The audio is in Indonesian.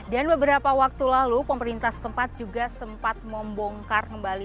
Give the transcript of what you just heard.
dan beberapa waktu lalu pemerintah dki menemukan tempat ini di rumah pungkarno yang kini dibangun kembali